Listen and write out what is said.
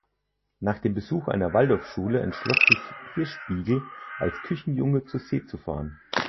Nach dem Besuch einer Waldorfschule entschloss sich Hirschbiegel, als Küchenjunge zur See zu fahren.